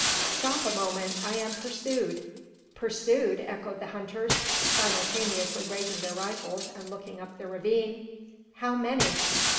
"Stop a moment! I am pursued." "Pursued!" echoed the hunters, simultaneously raising their rifles, and looking up the ravine. "How many?"